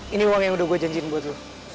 ini uang yang udah gue janjiin buat tuh